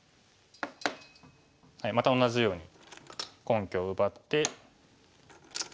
また同じように根拠を奪って。